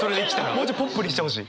もうちょいポップにしてほしい。